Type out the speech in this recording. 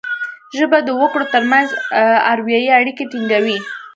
ژبه د وګړو ترمنځ اروايي اړیکي ټینګوي